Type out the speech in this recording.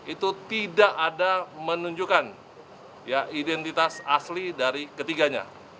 itu tidak ada menunjukkan identitas asli dari ketiganya